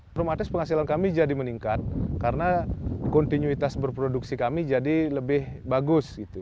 promatis penghasilan kami jadi meningkat karena kontinuitas berproduksi kami jadi lebih bagus